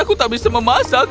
aku tidak bisa memasak